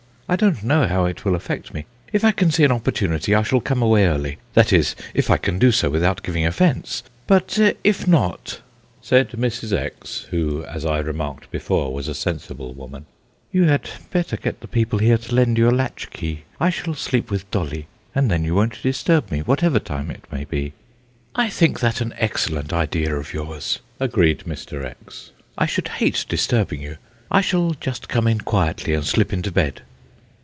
I don't know how it will affect me. If I can see an opportunity I shall come away early, that is if I can do so without giving offence; but if not " Said Mrs. X., who, as I remarked before, was a sensible woman: "You had better get the people here to lend you a latchkey. I shall sleep with Dolly, and then you won't disturb me whatever time it may be." "I think that an excellent idea of yours," agreed Mr. X. "I should hate disturbing you. I shall just come in quietly, and slip into bed."